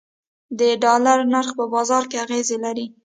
د ډالر نرخ په بازار اغیز لري